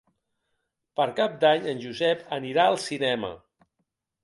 Per Cap d'Any en Josep anirà al cinema.